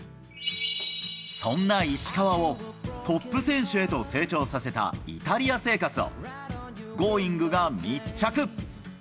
そんな石川をトップ選手へと成長させたイタリア生活を、Ｇｏｉｎｇ！が密着。